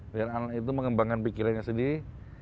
biar anak itu mengembangkan pikirannya sendiri